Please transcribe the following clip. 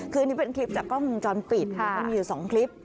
คือนี้เป็นคลิปจากกล้องมุมจรปิดค่ะมีอยู่สองคลิปค่ะ